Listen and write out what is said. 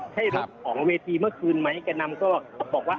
ใช่รถของเวทีเมื่อคืนไหมแก่นำก็บอกว่า